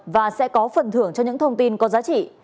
và sẽ có phần thưởng cho những thông tin có giá trị